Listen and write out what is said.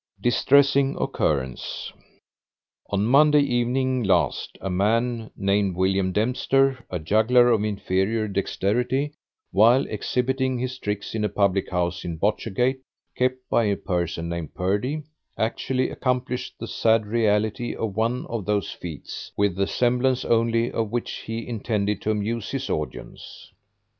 DISTRESSING OCCURRENCE On Monday evening last, a man named William Dempster, a juggler of inferior dexterity while exhibiting his tricks in a public house in Botchergate, kept by a person named Purdy, actually accomplished the sad reality of one of those feats, with the semblance only of which he intended to amuse his audience.